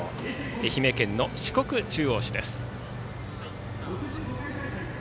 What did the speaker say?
愛媛県の四国中央市です。